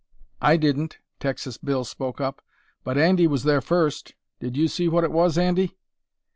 "I didn't," Texas Bill spoke up; "but Andy was there first. Did you see what it was, Andy?"